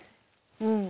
うん！